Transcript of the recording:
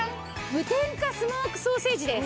無添加スモークソーセージです。